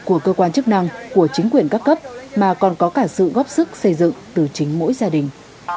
của cơ quan chức năng của chính quyền các cấp mà còn có cả sự góp sức xây dựng từ chính mỗi gia đình